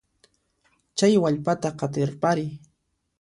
Chay wallpata qatirpariy.